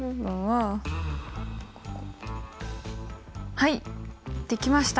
はいできました。